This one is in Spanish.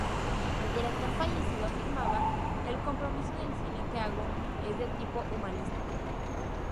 El director fallecido afirmaba: "El compromiso del cine que hago es de tipo humanístico.